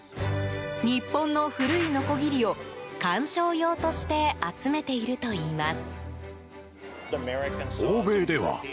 日本の古いのこぎりを観賞用として集めているといいます。